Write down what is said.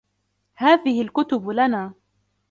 هذه الكتب لنا.